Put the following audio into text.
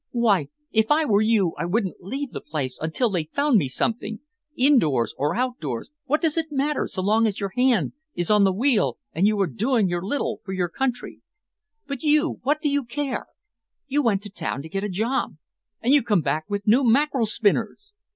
Why, if I were you, I wouldn't leave the place until they'd found me something indoors or outdoors, what does it matter so long as your hand is on the wheel and you are doing your little for your country? But you what do you care? You went to town to get a job and you come back with new mackerel spinners!